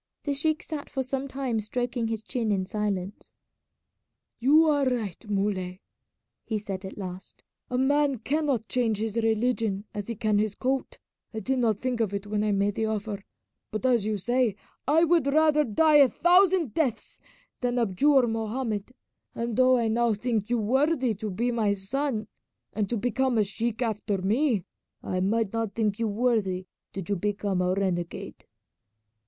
The sheik sat for some time stroking his chin in silence. "You are right, Muley," he said at last; "a man cannot change his religion as he can his coat. I did not think of it when I made the offer; but as you say, I would rather die a thousand deaths than abjure Mohammed; and though I now think you worthy to be my son, and to become a sheik after me, I might not think you worthy did you become a renegade."